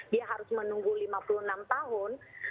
dia harus menunggu lima puluh enam tahun